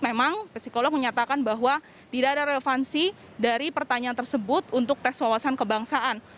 memang psikolog menyatakan bahwa tidak ada relevansi dari pertanyaan tersebut untuk tes wawasan kebangsaan